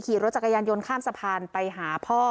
ขี่รถจักรยานยนต์ข้ามสะพานไปหาพ่อ